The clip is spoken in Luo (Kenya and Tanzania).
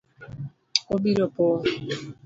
Obiro pong’